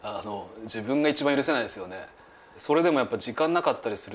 自分が一番許せないですよね。